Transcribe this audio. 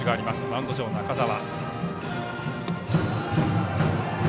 マウンド上の中澤。